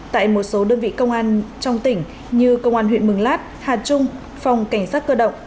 tại một số đơn vị công an trong tỉnh như công an huyện mường lát hà trung phòng cảnh sát cơ động